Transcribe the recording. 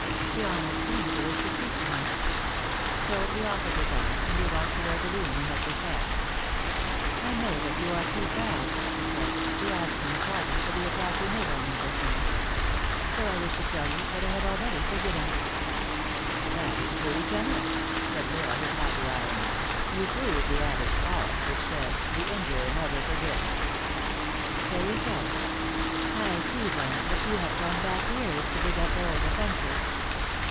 She almost seemed to wish to speak to him. So he offered his arm, and they walked toward the room he had just left " I know that you are too proud," she said, " to ask my pardon for the attack you made on me just now. So I wish to tell you that I have already forgiven it." "That is truly generous," said L Isle, with haughty irony. "You prove the adage false which says, The injurer never forgives. r u Say you so ? I see then that you have gone back years to dig up old offences.